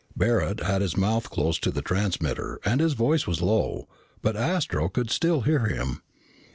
Barret had his mouth close to the transmitter and his voice was low, but Astro could still hear him.